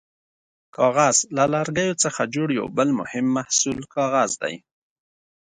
کاغذ: له لرګیو څخه جوړ یو بل مهم محصول کاغذ دی.